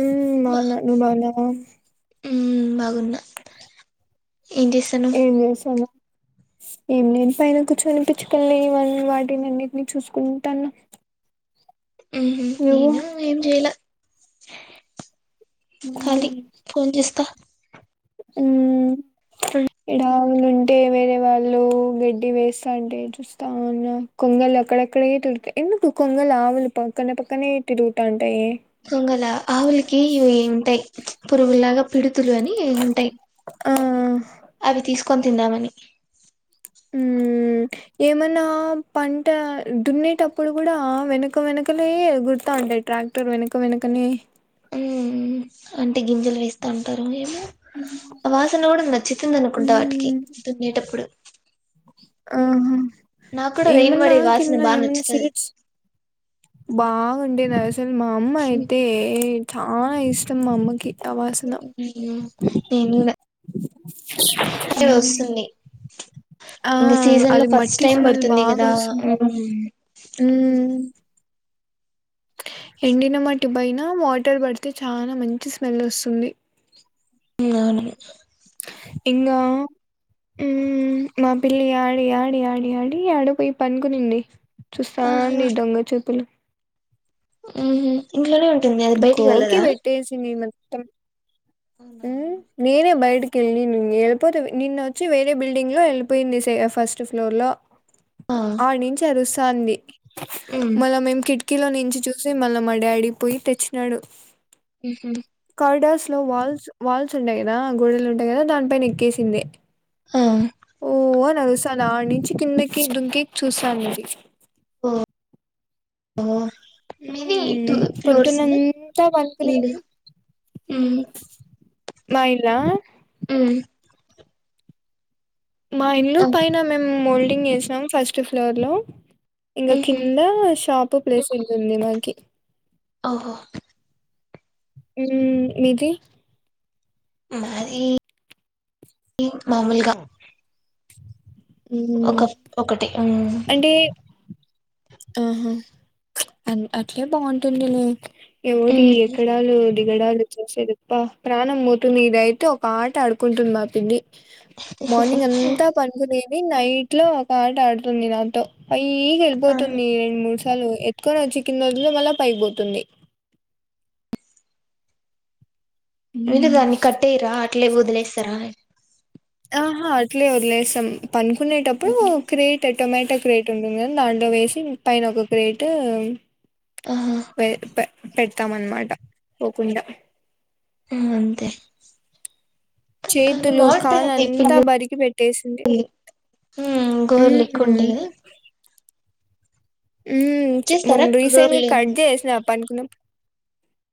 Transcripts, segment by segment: ఉ బాగున్నా నువ్వు బాగున్నావా హు బాగున్నా ఏం చేస్తానవ్ ఏ చేస్తున్నావ్ ఏం నను పైన కూర్చొనిపచ్చుకలేవని వాటిని అన్నిటినీ చూసుకుంటాను ఉహు నువ్వు నేను ఏం చేయలే కాళీ ఏం చేస్తా ఉ ఇడ ఆవులు ఉంటే వేరే వాళ్ళు గడ్డి వేస్తాంటే చూస్తా ఉన్నా కొంగలు అక్కడెక్కడ తిరుగుతాయి ఎందుకు కొంగలు ఆవులు పక్కన పక్కనే తిరుగుతాంటాయి కొంగల ఆవులికి ఇ ఉంటాయి పురుగులగా పిడు లు అని ఉంటాయి ఆ అవి తీసుకు క తిందామని ఉ ఏమన్నా పంట దున్నేటప్పుడు కూడా వెనక వెనకనే ఎగురుతా ఉంటాయి ట్రాక్టర్ వెనక వెనకనే హు అంటే గింజలు వేస్తా ఉంటారేమో ఆ వాసన కూడా నచ్చితుంది అనుకుంటా వాటికి తునేటప్పుడు ఆహ నా కూడాూ రెయిన్వాడి వాసన బాగా నచ్చుతుది బాగాండే న సలు మా అమ్మ అయితే చాలా ఇష్టం మా అమ్మకి ఆ వాసన నేను కూడా అదిే ఉమ్ వస్తుంది ఆ ఇంకా సీజన్ లో అది ఫస్ట్ మట్టి టైమ్ పడుతుంది కదా అ ఎండిన మట్టి పైన వాటర్ పడితే చాలా మంచి స్మెల్ వస్తుంది అవును ఇంకా మా పిల్లి ఆడి ఆడి ఆడి ఆడి ఆడేపోయి పనుకునింది చూస్తుంది దొంగ చూపులు ఆ ఇంట్లోనే ఉంటుంది అది బయటికి గోకి వెళ్ళదా బపెట్టేసిిన మ అ అవునా వెళపోతే నిన్న వచ్చి వే బిల్డింగ్ లో వెళిపోయింది ఫస్ట్ ఫ్లోర్ లో ఆ ఆడనుంచి ఆరు స్తుంది ఉమ్ మల్ల మేము కిడ్ అకిిలో నుంచి చూసి మళ్ళీ మా డాడీ పోయి తెచ్చినాడు ఆహ కారిడార్స్ లో వాల్స్ వాల్స్ ఉంటాయి కదా గోడెలు ఉంటాయి కదా దానిపైన ఎక్కేసింది ఆ ఓ అని ఆరు స్థాంధీ ఆడ నుంచి కిందకి దుకి చూస్తుంది ఓ ఉ మీది టూ ఫ్లోర్స్ ఉందా పొద్దున్నంతా ఇల్లు పనుకునేది ఉమ్ మా ఇళ్ల అ మా ఇల్లు ఆ పైన మేము మోల్డింగ్ వేసినాం ఫస్ట్ ఫ్లోర్ లో ఇంగ ఉహు కింద షాప్ తప్పు ప్లేస్ ఉంటుంది మనకి ఓహో ఉ మీది మది మామూలుగా హ్మ్ ఒక ఒకటి అంటే ఆహా అ అట్లే బాగుంటుంది నీ ఎవరి ఉమ్ ఎక్కడలు పగడలు వచ్చసేదిప్ప ప్రాణం పోతున్నది ఇద అయితే ఒక ఆట ఆడుకుంటుంది మా పిండి మార్నింగ్ అంతా పడుకో అది నైట్ లో ఒక ఆట ఆడుతుంది నాతో పైకి ఆహా వెల్బపోతుంది ఏం మూర్స చలో పట్టు కొని చికిన రోజులో మళ్ళ పైకిపోతుంది అంటే మ్మ్. దాన్ని కట్టేయరా అట్లే వదిలేస్తారా ఆహా అట్లే లే సం పనుకునేటప్పుడు ఉహు క్రియేట్టోమటక్ క్రేట్ ఉంటుంది కాని దాంట్లో వేసి పైన ఒక క్రేట్ ఆహా పె పెడతాం అన్నమాట పోకుండా అ అంతే కానీ చేతులు కాళ్ళ బాగుంటాయండి అంతా పిల్లి బరికి పెట్టేసింది ఉ గోర్లి ఎక్కువ ఉమ్ ఉంటయి కదా కట్ హు చేస్తారా రీసెంట్గా గోర్లు కట్ చేసిన అప్పనికి ఇనం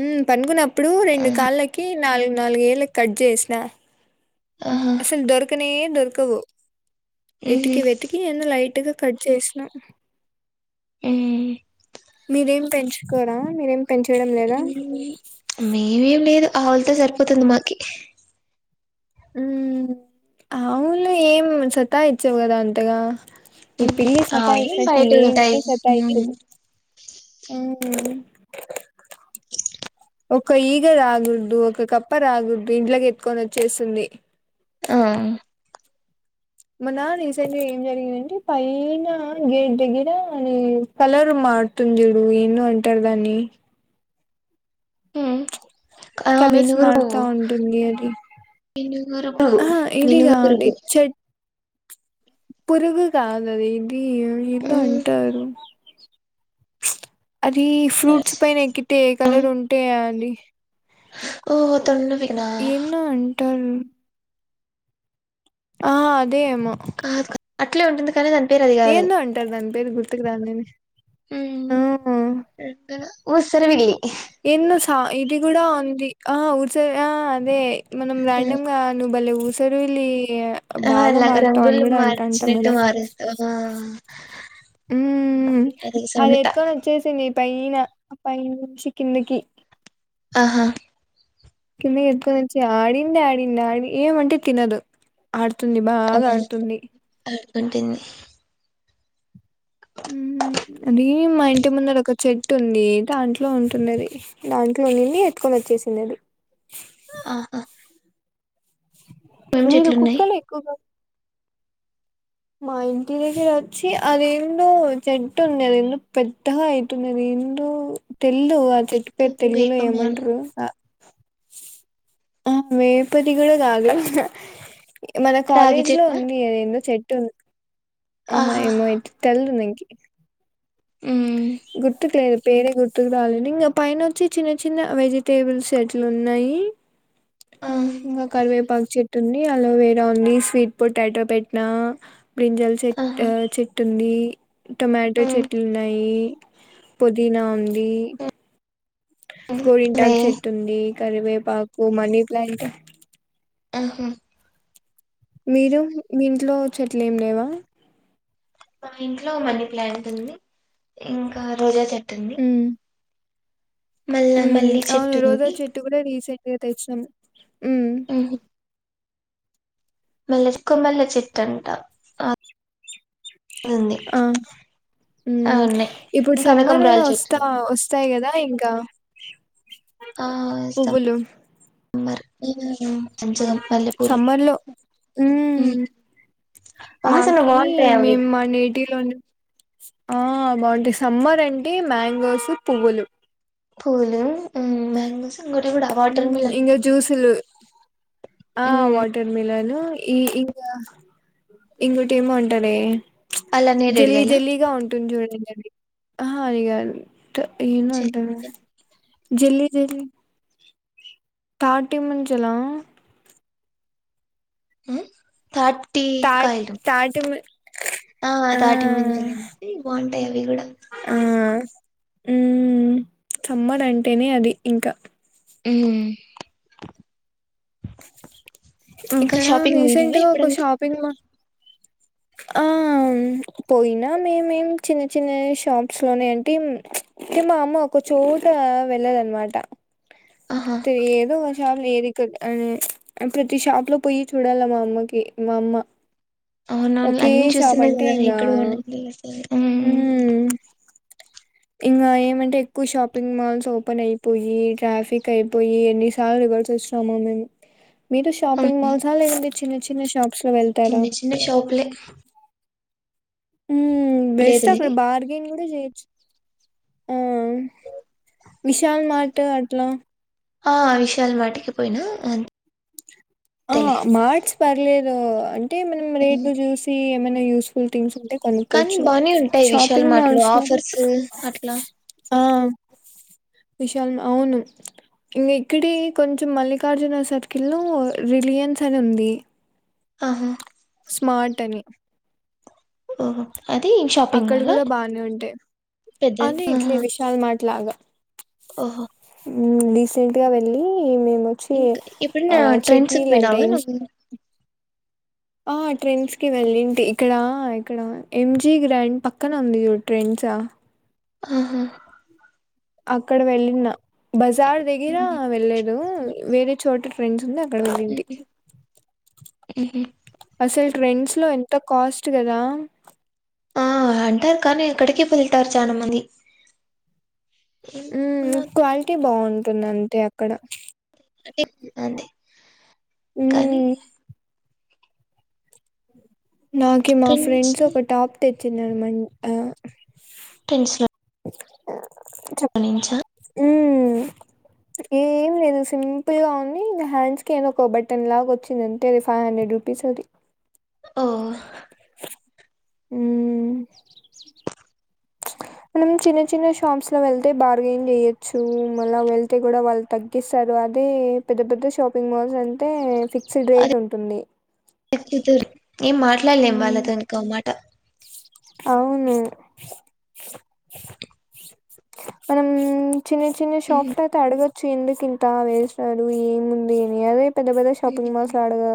ఉ పడుకున్న ఇప్పుడు రెండు ఆహా కాళ్ళకి నాలుగు నాలుగు ఏళ్ళ కట్ చేసిన ఆహా అసలు దొరకనే దొర్కవు ఉహు వెతికి వెతికి ఎన్న రెట్గా కట్ చేసిన ఊ మీరేం పెంచుకోరా మీరేం పని చేయడం లేదా మేమేం లేదు ఆవులతో సరిపోతుంది మాకి హ్మ్ ఆవులు ఏం సతాఇచ్చవు గదా అంతగా ఈ పిల్లి ఆవులు సతాయించినట్టు బయట ఉంటాయి ఏమీ సతాయించదు. ఒక ఈగ రాగుడ్దు ఒక కప్ప రాగుడ్దు ఇంట్లోకి ఎత్తుకొని వచ్చేస్తుంది ఆహ ఆ మన్నా రీసెంట్ గా ఏం జరిగిందంటే, పైనా గేట్ దగ్గర ఏ కలర్ మారుతుంది. చుడు ఏందో అంటరు. దాన్ని హ్మ్ ఆ కలర్స్ మినుగురు మారుతా పువ్వు ఉంటుంది అది మినుగురు పురుగు ఆ ఇది మినుగురు కాదు పురుగు చెట్ పురుగు కాదది [unintelligible] వీళ్ళు ఏందో అంటారు అదీ ఫ్రూట్స్ పైన ఎక్కితే ఏ కలర్ ఉంటే అందీ ఓహోహో తొండపీకనా ఏందో అంటారు ఆహాఆ అద్ దే ఏమ్మె కాదు అట్లే ఉంటుంది కానీ దాన్ ఏందో అంటరు దాని పేరు గుర్ తిక్ దానిని హ్మ్మ్ ఎక్కడా ఊసర వెళ్లి ఎన్ను స్సా ఇది కూడా ఉంది. ఆ ఊడ్ర్స ఆ అదే మనం ర్యాండమ్ గా నువ్వు బల్లేవు ఊసరువెల్లి అ అలాగ రంగులు అంటాం మార్చినట్టు మారుస్తావా హ్మ్ అది సమిత ఎత్కొని వచ్చేసింది పైన అ పై నుంచి కిందకి ఆహా కిందికి ఎత్కొని వచ్చి ఆడింది ఆడింది ఆడి ఏమంటే తినదు ఆడు తుంది బాగా ఆడుతుంది ఉంటుంది హ్మ్ అది మా ఇంటి ముందర ఒక చెట్టు ఉంది దాంట్లో ఉంటుంది అది దాంట్లో ఉండింది ఎత్కొని వచ్చేసింది అది ఆహా ఏం మీరు చెట్లున్నాయి కుక్కలు ఎక్కువగా మా ఇంటి దగ్గర వచ్చి అదేందో చెట్టు ఉంది అదేందో పెద్దగా అయితుంది అదేందో తెల్దు ఆ చెట్టు పేరు తెలుగులో వేపమాను ఏమంటురో ఆ మేపేది కూడా కాదు మన రాగి కాలేజీ లో చెట్టా ఉంది అదేందో చెట్ టుమ్ ఆహా ఏమో ఏంటో తెల్ నకి ఉమ్ గుర్తుకులేద్ పేరే గుర్తుకు రాలండి ఇంకా పైన వచ్చి చిన్న చిన్న వెజిటేబుల్స్ ఎట్లా ఉన్నాయి ఆ ఇంగా కరివేపా చెట్ తుంది అలోవెరా ఉంది స్వీట్ పొటాటో పెట్టనా బ్రింజల్ చెట్టు ఆహా చెట్ నీ టొమాటో ఉమ్ చెట్టు ఉంద ఈ పుదీనా ఉంది ఉమ్ వే గోరింటాకు చెట్టు ఉంది కరివేపాకు మనీ ప్లాంట్ ఆహా హు మీరు మీ ఇంట్లో చెట్లు ఏం లేవా మా ఇంట్లో మనీ ప్లాంట్ ఉంది ఇంకా రోజా చెట్ తుంది ఉమ్ మల్ల మల్లి చెట్టు ఉంది హు తెచ్చం ఉహు మల్లె చిక్కు మల్లె చెట్టు అంట అది ఉంది ఆ ఆ ఉమ్ ఉన్నాయి ఇప్పుడు సమ్మర్ కనకంబరాల కదా వస్తా చెట్లు వస్తాయి కదా ఇం ఇంకా ఆ వస్తా పువ్వులు మర్పే కదా సమ్మర్ లో ఉమ్ వాసన మాకి బాగుంటాయి అవి మేము మా నీ టిలోనీ ఆ బాగుంటాయి సమ్మర్ అంటే మ్యాంగోస్ పువ్వులు పువ్వులు మ్యాంగోస్ ఇంకోటి కూడా వాటర్ ఉమ్ మిలన్ ఇంకా జూస్లు ఆ ఉమ్ వాటర్ మిలను ఈ ఇంకా ఇంగటి ఏమో అంటారే అలానే జెల్లీ రెడీగాయలా జెల్లీగా ఉంటుంది చూడండి ఆహా అది కాదు క ఈను అంటాను చె జిల్లీ జిల్లీ తాటి మంజుల మ్మ్ తాట్ తాటి మ ఆ తాటి ముంజలు ఆనేసి బాగుంటాయి అవి కూడా ఆ మ్మ్ కమ్మడ అంటేనే అది ఇంకా మ్మ్ ఇక్కడ రీసెంట్ గా ఒక షాపింగ్ మాల్ ఆ పోయినా మేమేం చిన్న చిన్న షాప్స్ లోనే అంటే అంటే మా అమ్మ ఒకచోట వెళ్ళదనమాట ఆహా తే ఏదో ఒకషాప్ లేరు ఇక్కడ అని ప్రతి షాప్ లో పోయి చూడాల మా అమ్మకి మా అమ్మ అవునవును ఒకే అన్ని షాప్ చూస్తున్నాయి అంటే కదా ఇంకా ఎక్కడ ఉనండి అసలు మ్మ్ ఇంగా ఏమంటే ఎక్కువ షాపింగ్ మాల్స్ ఓపెన్ అయిపోయి ట్రాఫిక్ అయిపోయి ఎన్నిసార్లు రివర్స్ వచ్చినామో మేము మీతో షాపింగ్ అవును మాల్స లేదాంటే చిన్న చిన్న షాప్ చిన్న చిన్న షాపులే మ్మ్ బెస్ట్ లేదులే అక్కడ బార్గెన్ కూడా చేయొచ్చు ఆ విశల్ మాట అట్లా ఆ విశాలు వాటికి పోయినా ఆ అంతేలే మ్యాక్స్ బర్లేరు అంటే మనం ఉమ్, రేటు చూసి ఏమన్నా యూస్ఫుల్ థింగ్స్ కూడా కానీ కొనుక్కోచ్చు బానే ఉంటాయి విశాల్ షాపింగ్ మార్ట్ మాల్స్ లో ఆఫర్స్ అట్లా ఆ విశాల్ అవును ఇక్కడే కొంచెం మల్లికార్జున సర్కిల్ లో రిలియన్స్ అని ఉంది ఆహా స్మార్ట్ అని ఓహో అది షాపింగ్ అక్కడ మాల్ కూడా బానే ఉంటాయి పెద్దది అది ఇట్లే ఆహా విశాల్ మాట్ లాగా ఓహో మ్మ్ రీసెంట్గా వెళ్ళి మేము వచ్చి ఇంకా ఆ ఎప్పుడైనా ట్రెండ్స్ కి చట్నీలు అంటా పోయినావా ఇన్ నువ్వు ఆ ట్రైన్స్కి వెళ్ళింటి ఇక్కడ ఇక్కడ ఎం జి గ్రాండ్ పక్కన ఉంది చూడు ట్రెండ్స్ ఆహా అక్కడ వెళ్ళిన్న బజార్ దగ్గర మ్మ్ వెళ్లేదు. వేరే చోట్ ఫ్రెండ్స్ ఉందా. కడి వెల్లింటి, హ్మ్ అసల్ ట్రెండ్స్ లో ఎంత కాస్ట్ కదా. ఆ అంటారు కానీ అక్కడికే వెళ్తారు, చానా మంది ఉ ఏమో క్వాలిటీ బావుంటు అంటే అక్కడ అద్ అది కానీ మ్మ్ నాకి మా టెన్స్ ఫ్రెండ్స్ ఒక టాప్ తె చిన్నారు మం అ టెన్స్లా చెప్ ఉ ఏం లేదు సింపుల్ గా ఉంది. ఇంగా హ్యాండ్స్ కి ఏదో ఒక బటన్ లాగా వచ్చింది అంతే అది ఫైవ్ హండ్రెడ్ రూపీస్ అది. ఓ హు మనం చిన్న చిన్న షాప్స్ లో వెళ్తే బార్గెన్ చేయొచ్చు, మళ్ళా వెళ్తే కూడా వాళ్ళు తగ్గిస్సారు, అదే పెద్ద పెద్ద షాపింగ్ మాల్స్ అంటే ఫిక్స్డ్ రేట్ ఉంటుంది. ఎక్ ఇతర్ ఏం మాట్లాడలేం, వాళ్ళతోని ఇకో మాట అవును, మనం చిన్ని చిన్ని షాప్ హ్మ్. లతె అడగ్ చ్చు ఎందుకింత వేసాడు, ఏముంది అని అదే పెద్ద పెద్ద షాపింగ్ మాల్స్ ల అడగా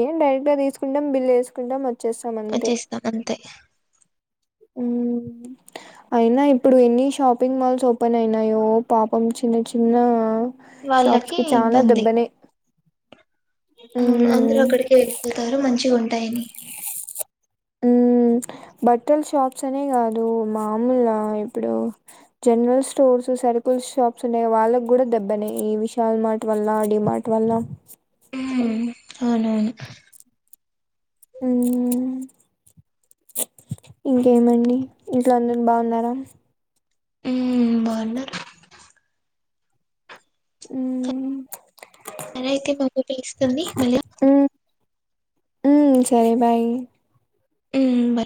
ఏం డైరెక్ట్గా తీసుకుంటాం, బిల్ ఏసుకుంటం వచ్చేస్సం అంతే తే హు అయినా ఇప్పుడు ఎన్ని షాపింగ్ మాల్స్ ఓపెన్ అయినాయో పాపం చిన్న చిన్న షాప్స్ వాళ్ళకి కి చాలా ఇబ్బంది దెబ్బనె అవును అందరు అక్కడికి ఎళ్ళిపొతారు, మంచిగా ఉంటాయని అ హు బట్టల్ షాప్స్ అనే కాదు, మామూల్లా ఇప్పుడు జనరల్ స్టోర్స్, సరుకుల్ షాప్స్ ఉన్నాయ వాళ్ళకు గుడా దెబ్బనే ఈ విశాల్ మార్ట్ వల్ల, డీ మార్ట్ వల్ల అవునవును హుం, ఇంకేమండి ఇంట్లో అందన్ బావున్నారా బాన్నార్ హు సరే అయితే బాబు పిలుస్తుంది మళ్ళీ ఉ సరే బాయ్ బై